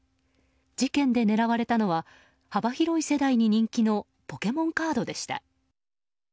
事件で狙われたのは幅広い世代に人気のポケモンカードでした。